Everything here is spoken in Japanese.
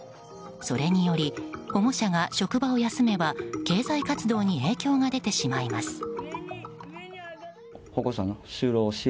それにより保護者が職場を休めば経済活動に影響が出てしまいます。